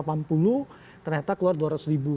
iya satu ratus delapan puluh ternyata keluar dua ratus ribu